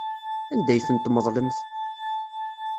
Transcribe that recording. Anda ay tent-tmeḍlemt?